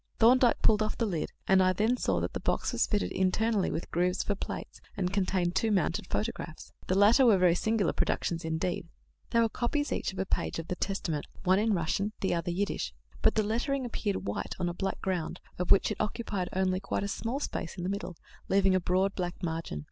Thorndyke pulled off the lid, and I then saw that the box was fitted internally with grooves for plates, and contained two mounted photographs. The latter were very singular productions indeed; they were copies each of a page of the Testament, one Russian and the other Yiddish; but the lettering appeared white on a black ground, of which it occupied only quite a small space in the middle, leaving a broad black margin.